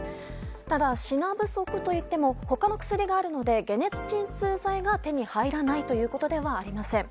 ただ、品不足といっても他の薬があるので解熱鎮痛剤が手に入らないということではありません。